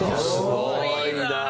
すごいな。